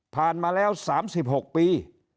ผ่านมาแล้ว๓๖ปี